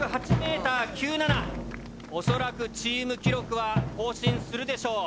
恐らくチーム記録は更新するでしょう。